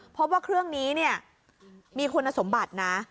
พบว่าเครื่องนี้เนี่ยมีคุณสมบัตินะ